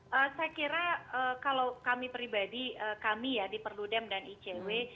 saya kira kalau kami pribadi kami ya di perludem dan icw